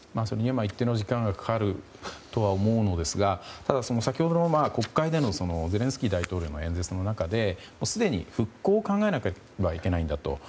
それには一定の時間がかかるとは思うのですがただ先ほどの国会でのゼレンスキー大統領の演説の中ですでに復興を考えなければいけないんだと。